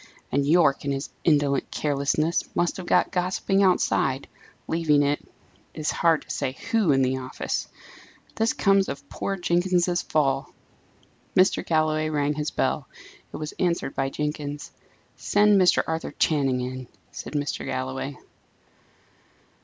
and, Yorke, in his indolent carelessness, must have got gossiping outside, leaving, it is hard to say who, in the office! This comes of poor Jenkins's fall!" Mr. Galloway rang his bell. It was answered by Jenkins. "Send Mr. Arthur Channing in," said Mr. Galloway.